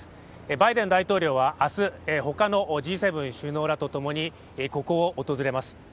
バイデン大統領は明日、他のＧ７首脳らとともにここを訪れます。